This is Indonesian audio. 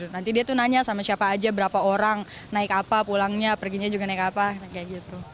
nanti dia tuh nanya sama siapa aja berapa orang naik apa pulangnya perginya juga naik apa kayak gitu